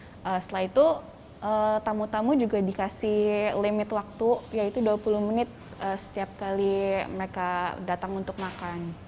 setelah itu tamu tamu juga dikasih limit waktu yaitu dua puluh menit setiap kali mereka datang untuk makan